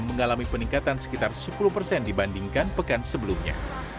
mengalami peningkatan sekitar sepuluh persen dibandingkan pekan sebelumnya